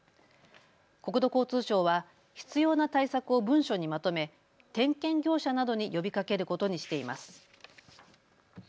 国土交通省は必要な対策を文書にまとめ点検業者などに呼びかけることにしています。